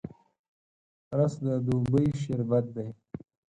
رس د دوبي شربت دی